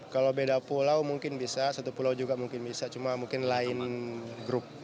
kalau beda pulau mungkin bisa satu pulau juga mungkin bisa cuma mungkin lain grup